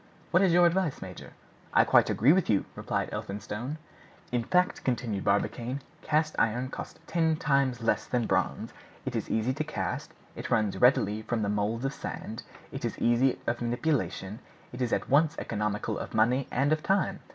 What is your advice, major?" "I quite agree with you," replied Elphinstone. "In fact," continued Barbicane, "cast iron costs ten times less than bronze; it is easy to cast, it runs readily from the moulds of sand, it is easy of manipulation, it is at once economical of money and of time.